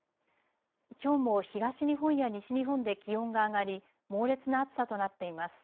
きょうも東日本や西日本で気温が上がり猛烈な暑さとなっています。